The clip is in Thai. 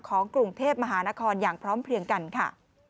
ของกรุงเทพมหานครอย่างพร้อมเพลียงกันค่ะ